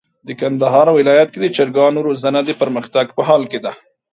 د کندهار ولايت کي د چرګانو روزنه د پرمختګ په حال کي ده.